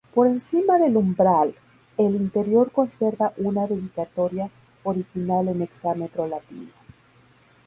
Por encima del umbral, el interior conserva una dedicatoria original en hexámetro latino.